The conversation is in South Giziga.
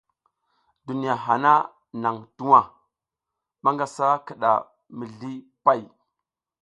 Duniya hana nang tuwa, manga sa kida mizli pay.